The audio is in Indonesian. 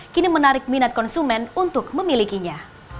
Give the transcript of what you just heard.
kini menarik minat konsumen untuk memilikinya